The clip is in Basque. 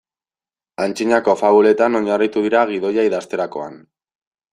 Antzinako fabuletan oinarritu dira gidoia idazterakoan.